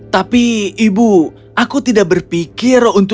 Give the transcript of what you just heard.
tapi ibu aku tidak berpikir untuk